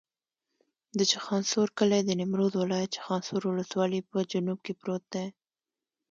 د چخانسور کلی د نیمروز ولایت، چخانسور ولسوالي په جنوب کې پروت دی.